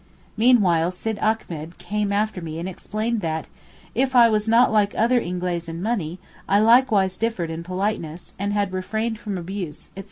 Meanwhile Sid Achmet came after me and explained that, if I was not like other Ingeleez in money, I likewise differed in politeness, and had refrained from abuse, etc.